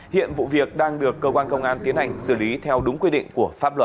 hiện vụ việc đang được cơ quan công an tiến hành xử lý theo đúng quy định của pháp luật